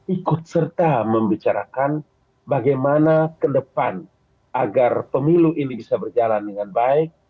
ikut serta membicarakan bagaimana ke depan agar pemilu ini bisa berjalan dengan baik